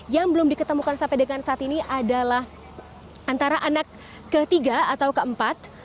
yang belum diketemukan sampai dengan saat ini adalah antara anak ketiga atau keempat